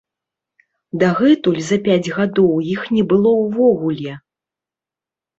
Дагэтуль за пяць гадоў, іх не было ўвогуле!